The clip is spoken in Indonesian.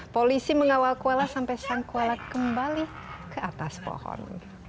polisi mengawal kuala sampai sang kuala kembali ke atas pohon